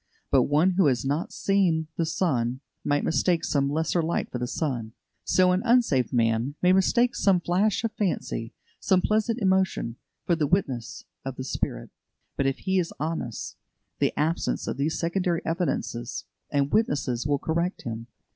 But one who has not seen the sun might mistake some lesser light for the sun. So an unsaved man may mistake some flash of fancy, some pleasant emotion, for the witness of the Spirit. But if he is honest, the absence of these secondary evidences and witnesses will correct him.